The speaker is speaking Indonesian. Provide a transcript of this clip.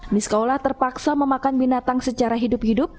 miskaulah terpaksa memakan binatang secara hidup hidup